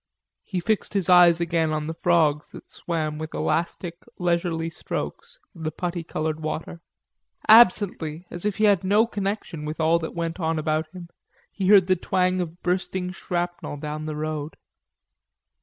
He fixed his eyes again on the frogs that swam with elastic, leisurely leg strokes in the putty colored water. Absently, as if he had no connection with all that went on about him, he heard the twang of bursting shrapnel down the road.